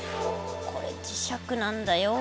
これ磁石なんだよ。